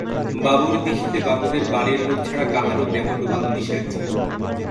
বাবুর দিঘিতে বাবুদের বাড়ির লোক ছাড়া কাহারো দেহ ভুবানো নিষেধ।